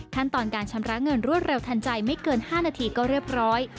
ขั้นตอนการชำระเงินรวดเร็วทันใจไม่เกิน๕นาทีก็เรียบร้อย